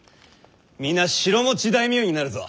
皆城持ち大名になるぞ。